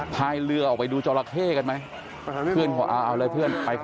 แต่ไม่ทันจริงนะครับ